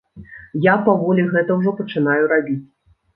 Я паволі гэта ўжо пачынаю рабіць.